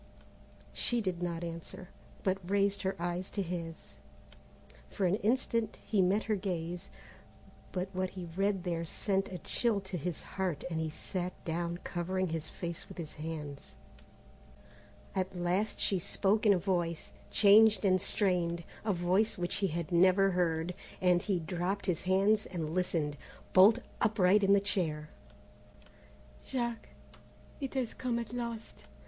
She did not answer, but raised her eyes to his. For an instant he met her gaze, but what he read there sent a chill to his heart and he sat down covering his face with his hands. At last she spoke in a voice, changed and strained, a voice which he had never heard, and he dropped his hands and listened, bolt upright in his chair. "Jack, it has come at last.